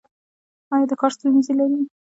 ایا د کار ستونزې لرئ؟